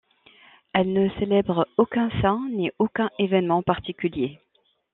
Elle ne célèbre aucun saint ni aucun événement particulier.